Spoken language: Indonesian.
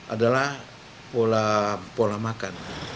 adalah pola makan